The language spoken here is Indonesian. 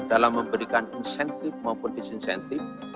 dalam memberikan insentif maupun disinsentif